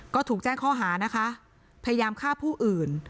ก็ถูกแจ้งข้อหานะคะพยายามฆ่าผู้อื่น